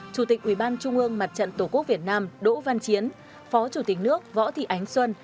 chủ tịch ubnd mặt trận tổ quốc việt nam đỗ văn chiến phó chủ tịch nước võ thị ánh xuân